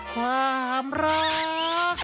ความรัก